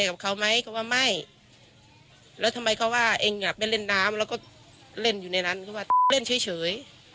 แล้วก็เล่นอยู่ในนั้นก็ว่าเล่นเฉย